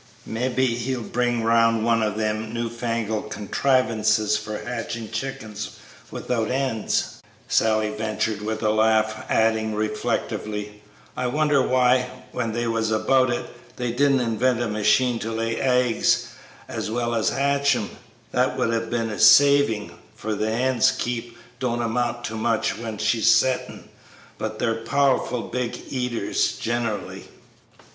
"Mebbe he'll bring 'round one o' them new fangled contrivances for hatchin' chickens without hens," Sally ventured, with a laugh; adding, reflectively, "I wonder why, when they was about it, they didn't invent a machine to lay aigs as well as hatch 'em; that would 'ave been a savin', for a hen's keep don't amount to much when she's settin', but they're powerful big eaters generally."